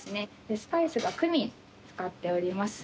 スパイスがクミン使っております。